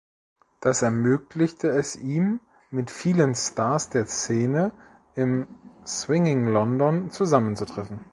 Das ermöglichte es ihm, mit vielen Stars der Szene im „Swinging London“ zusammenzutreffen.